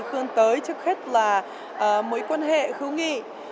khương tới trước hết là mối quan hệ khứu nghị